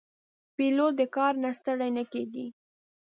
پیلوټ د کار نه ستړی نه کېږي.